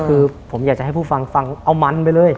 คือผมอยากจะให้ผู้ฟังฟังเอามันไปเลย